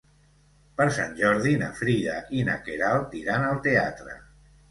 Per Sant Jordi na Frida i na Queralt iran al teatre.